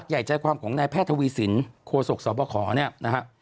ใหญ่ใจความของนายแพทย์ทวีสินโคศกสบคเนี่ยนะฮะ